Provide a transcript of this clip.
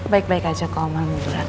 baik baik aja kok om almi berat